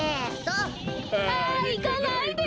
あいかないで。